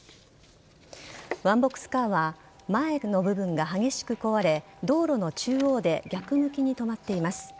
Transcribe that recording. ワンボックスカーは前の部分が激しく壊れ道路の中央で逆向きに止まっています。